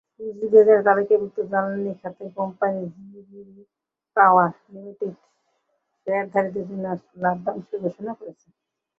পুঁজিবাজারে তালিকাভুক্ত জ্বালানি খাতের কোম্পানি জিবিবি পাওয়ার লিমিটেড শেয়ারধারীদের জন্য লভ্যাংশ ঘোষণা করেছে।